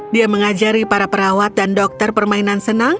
dia mengajari para perawat dan dokter permainan senang